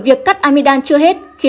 và tại chỗ